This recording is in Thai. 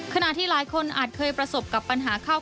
ขณะที่หลายคนอาจเคยประสบกับปัญหาข้าว